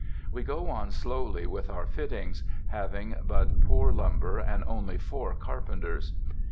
We go on slowly with our fittings, having but poor lumber and only four carpenters.